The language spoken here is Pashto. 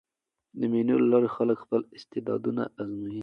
د مېلو له لاري خلک خپل استعدادونه آزمويي.